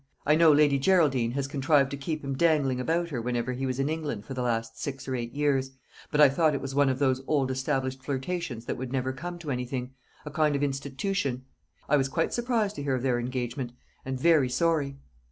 I know Lady Geraldine has contrived to keep him dangling about her whenever he was in England for the last six or eight years; but I thought it was one of those old established flirtations that would never come to anything a kind of institution. I was quite surprised to hear of their engagement and very sorry."